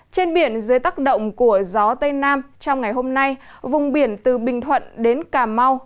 trên biển dưới tác động của gió tây nam trong ngày hôm nay vùng biển từ bình thuận đến cà mau